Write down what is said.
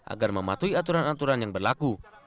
agar mematuhi aturan aturan yang berlaku